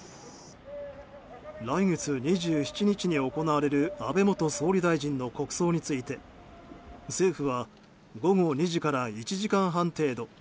来月２７日に行われる安倍元総理大臣の国葬について政府は午後２時から１時間半程度